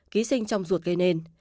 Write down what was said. ký sinh trong ruột gây nên